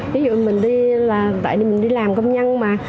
ví dụ mình đi làm công nhân mà